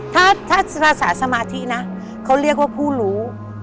ถ้าภาษาสมาธินะเขาเรียกว่าผู้รู้